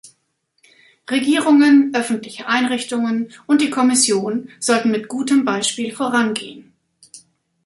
Regierungen, öffentliche Einrichtungen und die Kommission sollten mit gutem Beispiel vorangehen.